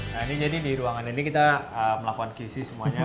nah ini jadi di ruangan ini kita melakukan qc semuanya